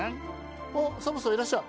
あサボさんいらっしゃい。